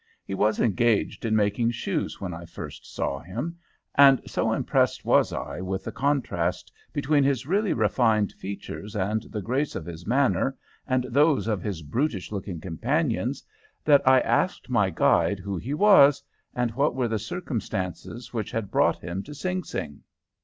He was engaged in making shoes when I first saw him, and so impressed was I with the contrast between his really refined features and grace of manner and those of his brutish looking companions, that I asked my guide who he was, and what were the circumstances which had brought him to Sing Sing.